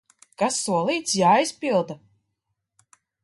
Kas solīts, jāizpilda!